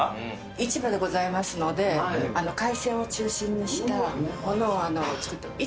市場でございますので、海鮮を中心にしたものを作っております。